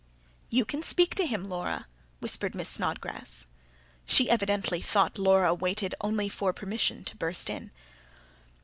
"You can speak to him, Laura," whispered Miss Snodgrass. She evidently thought Laura waited only for permission, to burst in.